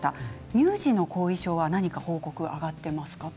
乳児の後遺症は何か報告があがっていますか？